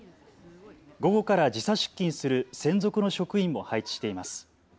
午後から時差出勤する専属の職員も配置しています。